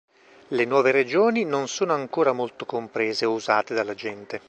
Le nuove regioni non sono ancora molto comprese o usate dalla gente.